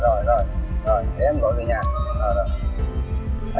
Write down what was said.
rồi rồi rồi để em gọi về nhà